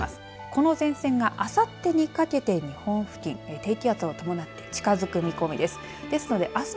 この前線があさってにかけて日本付近低気圧を伴って近づく見込みです。